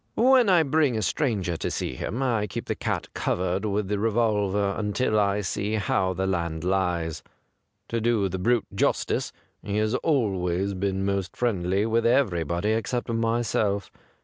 When I bring a stranger to see him I keep the cat covered with the revolver until I see how the land lies. To do the brute justice, he has always been most friendly with everybody except myself.